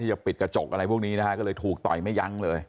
จะปิดกระจกอะไรพวกนี้นะฮะก็เลยถูกต่อยไม่ยั้งเลย